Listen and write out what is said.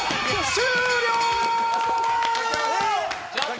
終了！